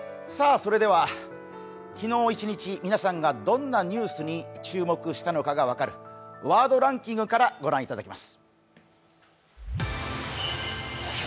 それでは昨日一日、皆さんがどんなニュースに注目したかが分かるワードランキングから御覧いただきます。